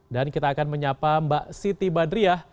dan kita akan menyapa mbak siti badriah